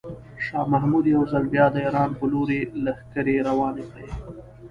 شاه محمود یو ځل بیا د ایران په لوري لښکرې روانې کړې.